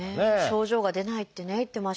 症状が出ないってね言ってましたね。